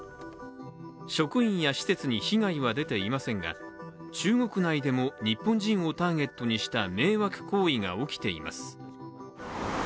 職員や施設に被害は出ていませんが中国内でも日本人をターゲットにした迷惑行為が起きています。